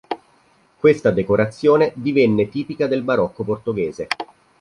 Questa decorazione divenne tipica del barocco portoghese.